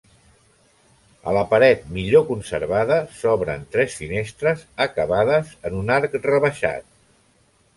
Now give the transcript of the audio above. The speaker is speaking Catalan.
A la paret millor conservada s'obren tres finestres acabades en un arc rebaixat.